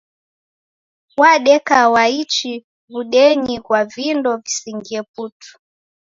Wadeki waichi wundenyi ghwa vindo visingie putu.